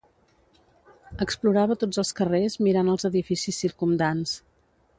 Explorava tots els carrers mirant els edificis circumdants.